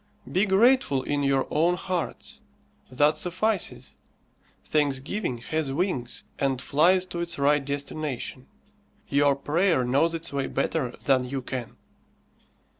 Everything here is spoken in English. Be grateful in your own hearts. That suffices. Thanksgiving has wings, and flies to its right destination. Your prayer knows its way better than you can.